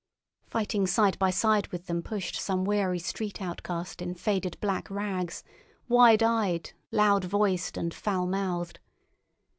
Fighting side by side with them pushed some weary street outcast in faded black rags, wide eyed, loud voiced, and foul mouthed.